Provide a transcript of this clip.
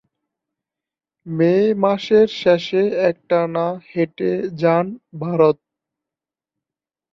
মে মাসের শেষে একটানা হেঁটে যান ভারত।